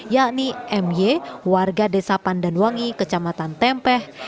yakni my warga desa pandanwangi kecamatan tempeh